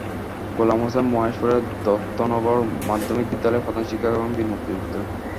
গোলাম হোসেন মহেশপুরের দত্তনগর মাধ্যমিক বিদ্যালয়ের প্রধান শিক্ষক এবং বীর মুক্তিযোদ্ধা।